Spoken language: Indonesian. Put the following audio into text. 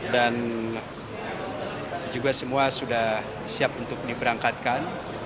dan juga semua sudah siap untuk diberangkatkan